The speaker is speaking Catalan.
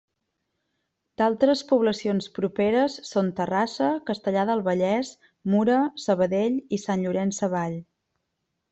D'altres poblacions properes són Terrassa, Castellar del Vallès, Mura, Sabadell i Sant Llorenç Savall.